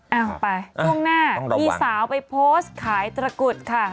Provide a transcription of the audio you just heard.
เอาไปช่วงหน้าต้องระวังมีสาวไปโพสต์ขายตระกุฎค่ะ